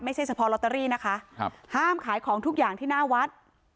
เฉพาะลอตเตอรี่นะคะครับห้ามขายของทุกอย่างที่หน้าวัด